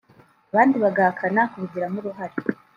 abandi bagahakana kubigiramo uruhare